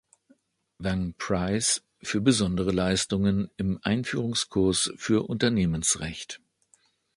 Wang Prize" für besondere Leistungen im Einführungskurs für Unternehmensrecht.